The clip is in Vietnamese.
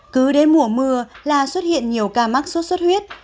cứ đến mùa mưa là xuất hiện nhiều ca mắc suốt suốt huyết